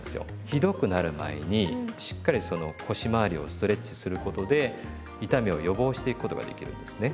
ひどくなる前にしっかりその腰まわりをストレッチすることで痛みを予防していくことができるんですね。